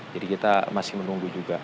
jadi kita masih menunggu juga